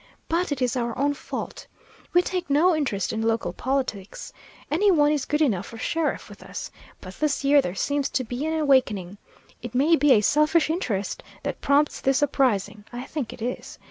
But it is our own fault. We take no interest in local politics. Any one is good enough for sheriff with us. But this year there seems to be an awakening. It may be a selfish interest that prompts this uprising; I think it is.